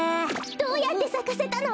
どうやってさかせたの？